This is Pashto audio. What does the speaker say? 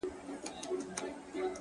رانه هېريږي نه خيالونه هېرولاى نه ســم،